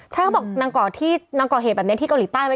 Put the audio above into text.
ใช่เขาบอกนางก่อเหตุแบบนี้ที่เกาหลีป้ายไว้ก่อน